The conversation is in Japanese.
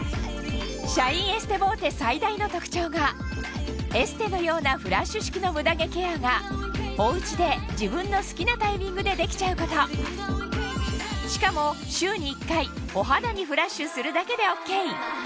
シャインエステボーテ最大の特徴がエステのようなフラッシュ式のムダ毛ケアがおうちで自分の好きなタイミングでできちゃうことしかもまず。